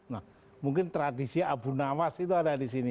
nah mungkin tradisi abu nawas itu ada di sini